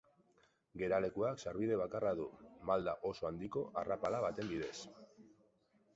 Geralekuak sarbide bakarra du, malda oso handiko arrapala baten bidez.